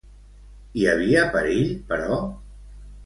Hi havia perill, però?